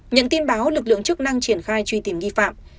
nhận tin báo lực lượng chức năng triển khai truy tìm nghi phạm